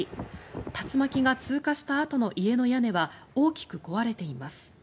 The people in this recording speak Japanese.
竜巻が通過したあとの家の屋根は大きく壊れています。